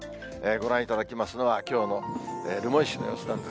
ご覧いただきますのは、きょうの留萌市の様子なんです。